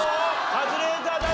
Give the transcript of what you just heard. カズレーザー脱落！